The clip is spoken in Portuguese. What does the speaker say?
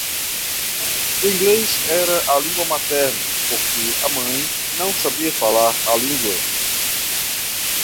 O inglês era a língua materna porque a mãe não sabia falar a língua.